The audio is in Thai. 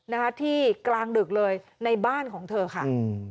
นะคะที่กลางดึกเลยในบ้านของเธอค่ะอืม